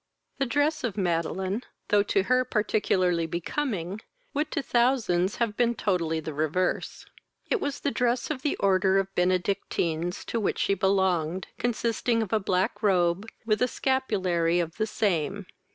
The dress of Madeline, though to her particularly becoming, would to thousands have been totally the reverse. It was the dress of the order of Benedictines, to which she belonged, consisting of a black robe, with a scapulary of the same.